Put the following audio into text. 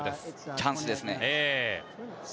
チャンスですね。